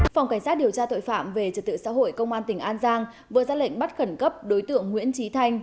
phòng cảnh sát điều tra tội phạm về trật tự xã hội công an tỉnh an giang vừa ra lệnh bắt khẩn cấp đối tượng nguyễn trí thanh